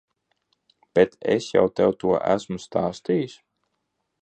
Bet es jau tev to esmu stāstījis?